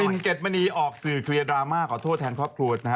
เด็ดมณีออกสื่อเคลียร์ดราม่าขอโทษแทนครอบครัวนะฮะ